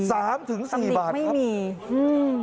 ๓๔บาทครับอันนี้ไม่มีอืม